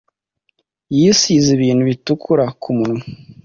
Yisize ibintu bitukura ku minwa